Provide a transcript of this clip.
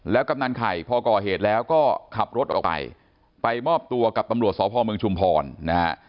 กำนันไข่พอก่อเหตุแล้วก็ขับรถออกไปไปมอบตัวกับตำรวจสพเมืองชุมพรนะฮะ